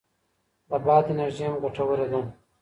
د باد انرژي هم ګټوره ده.